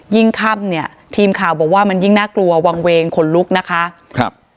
ค่ำเนี่ยทีมข่าวบอกว่ามันยิ่งน่ากลัววางเวงขนลุกนะคะครับ